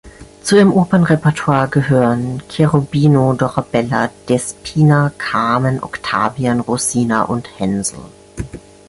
Zu ihrem Opernrepertoire gehörten Cherubino, Dorabella, Despina, Carmen, Octavian, Rosina und Hänsel.